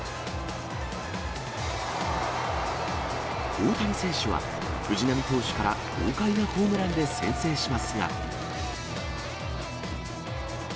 大谷選手は藤浪投手から豪快なホームランで先制しますが。